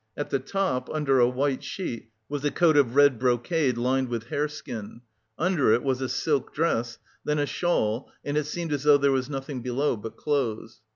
At the top, under a white sheet, was a coat of red brocade lined with hareskin; under it was a silk dress, then a shawl and it seemed as though there was nothing below but clothes.